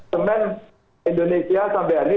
semen indonesia sampai hari ini